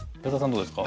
どうですか？